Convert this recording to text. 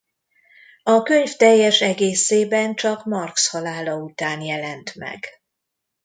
A könyv teljes egészében csak Marx halála után jelent meg.